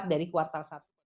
kuat dari kuartal satu